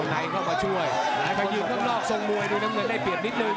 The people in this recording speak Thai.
หลายคนยืนข้างนอกทรงมวยดูน้ำเงินได้เปลี่ยนนิดนึง